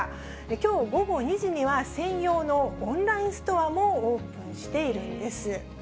きょう午後２時には、専用のオンラインストアもオープンしているんです。